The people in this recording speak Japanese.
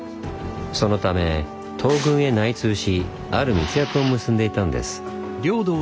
そのため東軍へ内通しある密約を結んでいたんです。